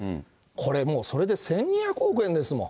これもうそれで１２００億円ですもん。